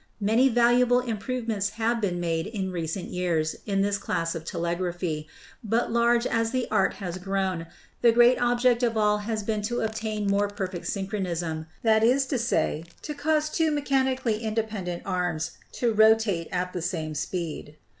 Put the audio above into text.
Many valuable improvements have been made in recent years in this class of telegraphy, but large as the art has grown, the great object of all has been to obtain more perfect synchronism — that is to say, to cause two mechanically independent arms to rotate at the same speed.